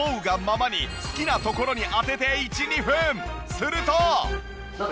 すると。